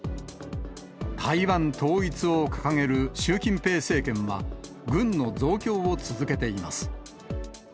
台湾統一を掲げる習近平政権は、軍の増強を続けています。